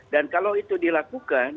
dan kalau itu dilakukan